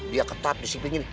dia ketat disiplinnya be